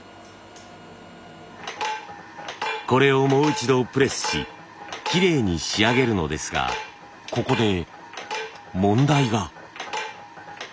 これをもう一度プレスしきれいに仕上げるのですがここで問題が。